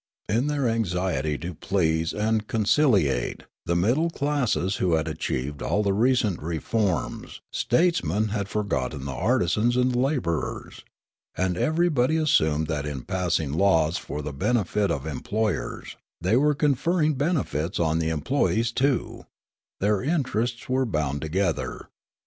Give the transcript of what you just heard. In their anxiet}^ to please and conciliate the middle classes who had achieved all the recent reforms, statesmen had for gotten the artisans and labourers ; and everybody as sumed that in passing laws for the benefit of employers, they were conferring benefits on the employees too ; their interests were bound together.